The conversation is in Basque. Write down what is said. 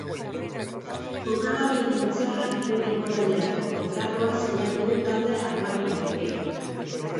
Jokalari murtziarrak bi denboraldirako kontratua sinatu du talde armaginarekin.